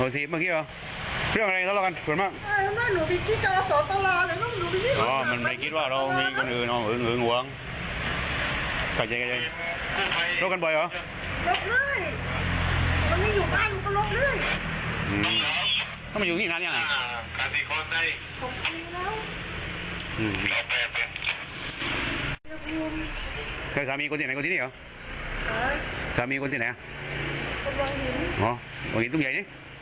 ต้องมาอยู่ที่นั้นอย่างไร